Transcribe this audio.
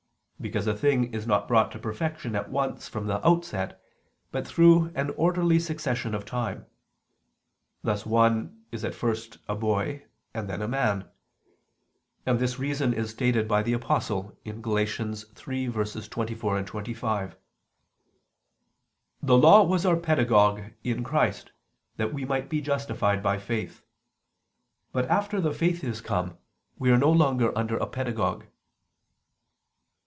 Because a thing is not brought to perfection at once from the outset, but through an orderly succession of time; thus one is at first a boy, and then a man. And this reason is stated by the Apostle (Gal. 3:24, 25): "The Law was our pedagogue in Christ that we might be justified by faith. But after the faith is come, we are no longer under a pedagogue."